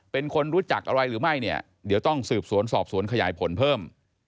เป็นคนรู้จักอะไรหรือไม่เนี่ยเดี๋ยวต้องสืบสวนสอบสวนขยายผลเพิ่ม